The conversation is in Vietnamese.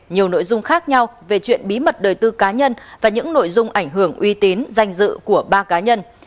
nhiều nội dung khác nhau về chuyện bí mật đời tư cá nhân và những nội dung ảnh hưởng uy tín danh dự của ba cá nhân